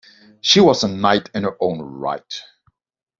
She was a knight in her own right.